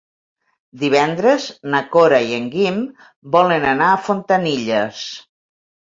Divendres na Cora i en Guim volen anar a Fontanilles.